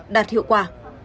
đạt hiệu quả